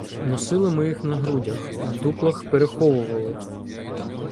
Носили ми їх на грудях, в дуплах переховували.